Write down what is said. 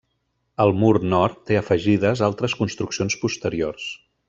El mur nord té afegides altres construccions posteriors.